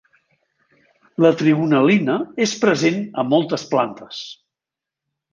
La trigonel·lina és present a moltes plantes.